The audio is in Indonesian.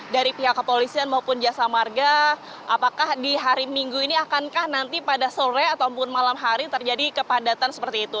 dari pihak kepolisian maupun jasa marga apakah di hari minggu ini akankah nanti pada sore ataupun malam hari terjadi kepadatan seperti itu